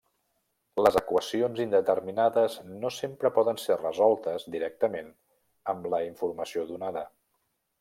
Les equacions indeterminades no sempre poden ser resoltes directament amb la informació donada.